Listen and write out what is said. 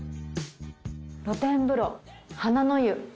露天風呂華の湯。